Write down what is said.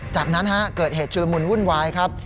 จากนั้นเกิดเหตุชุลมุนวุ่นวายครับ